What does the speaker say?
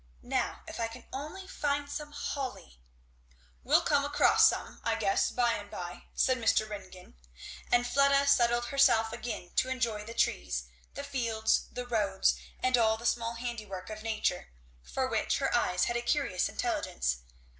Now if I can only find some holly " "We'll come across some, I guess, by and by," said Mr. Ringgan; and Fleda settled herself again to enjoy the trees, the fields, the roads, and all the small handiwork of nature, for which her eyes had a curious intelligence.